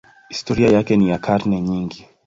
Historia yake ni ya karne nyingi.